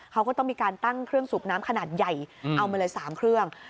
เขาก็ต้องมีการตั้งเครื่องสูบน้ำขนาดใหญ่เอามาเลย๓เครื่อง